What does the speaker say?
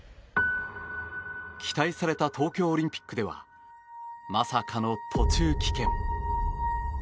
期待された東京オリンピックではまさかの途中棄権。